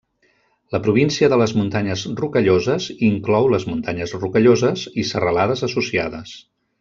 La província de les Muntanyes Rocalloses inclou les Muntanyes Rocalloses i serralades associades.